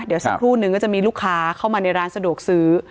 เดี๋ยวสักครู่นึงก็จะมีลูกค้าเข้ามาในร้านสะดวกซื้อ